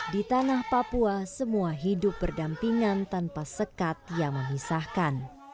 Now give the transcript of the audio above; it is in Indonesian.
di tanah papua semua hidup berdampingan tanpa sekat yang memisahkan